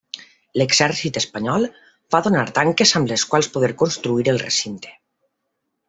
L'Exèrcit Espanyol va donar tanques amb les quals poder construir el recinte.